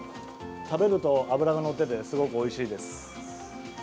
食べると脂がのっていてすごくおいしいです。